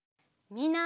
みんな！